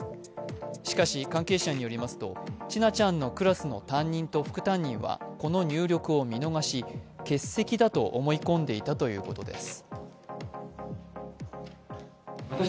しかし関係者によりますと千奈ちゃんのクラスの担任と副担任は、この入力を見逃し、欠席だと思い込んでいたということです。